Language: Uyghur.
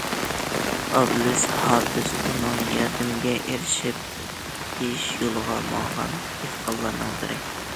ئابلىز ھاپىز ئۇنىڭ ياردىمىگە ئېرىشىپ بېيىش يولىغا ماڭغان دېھقانلارنىڭ بىرى.